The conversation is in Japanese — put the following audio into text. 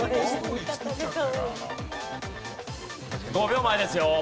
５秒前ですよ